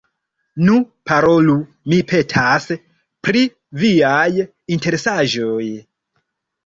Nu, parolu, mi petas, pri viaj interesaĵoj.